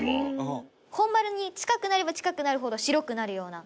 本丸に近くなれば近くなるほど白くなるような。